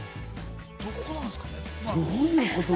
どこなんですかね？